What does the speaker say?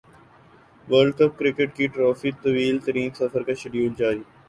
world cup cricket کی trophy کے طویل ترین سفر کا شیڈول جاری